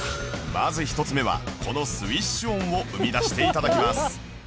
まず１つ目はこのスウィッシュ音を生み出して頂きます